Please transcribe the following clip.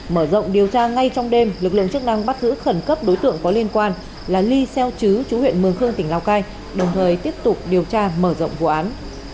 mở rộng điều tra ngay trong đêm lực lượng chức năng bắt giữ khẩn cấp đối tượng có liên quan là ly xeo chứ chú huyện mường khương tỉnh lào cai đồng thời tiếp tục điều tra mở rộng vụ án